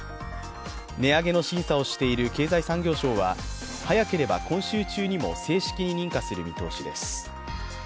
値上げの審査をしている経済産業省は早ければ今週中にも正式に認可する見通しです。